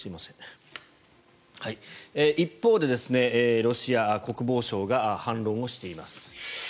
一方でロシア国防省が反論をしています。